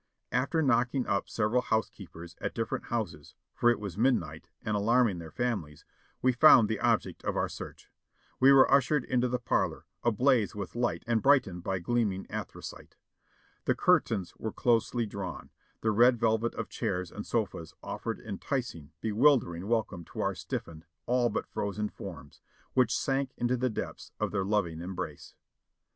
Af ter knocking up several housekeepers at different houses, for it was midnight, and alarming their families, we found the object of our search. We were ushered into the parlor, ablaze with light and bright ened by gleaming anthracite. The curtains were closely drawn ; the red velvet of chairs and sofas offered enticing, bewildering welcome to our stiffened, all but frozen forms, which sank into THE SECOND ESCAPE 497 the depths of their loving embrace.